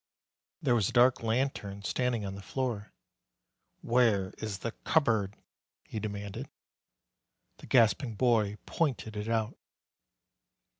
There was a dark lantern standing on the floor. "Where is the cupboard?" he demanded. The gasping boy pointed it out.